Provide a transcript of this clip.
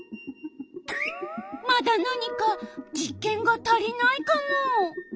まだなにか実験が足りないカモ。